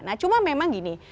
nah cuma memang gini